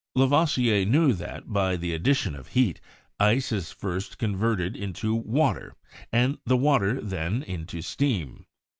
Lavoisier knew that, by the addition of heat, ice is first converted into water, and the water then into steam.